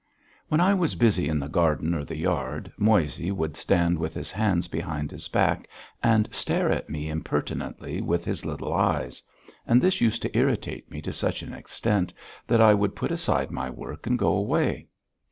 XII When I was busy in the garden or the yard, Moissey would stand with his hands behind his back and stare at me impertinently with his little eyes. And this used to irritate me to such an extent that I would put aside my work and go away.